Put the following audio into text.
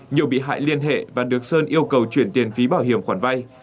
nhiều bị hại liên hệ và được sơn yêu cầu chuyển tiền phí bảo hiểm khoản vay